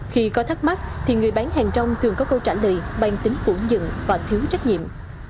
khi có thắc mắc thì người bán hàng trong thường có câu trả lời bằng tính phủ dựng và thiếu trách nhiệm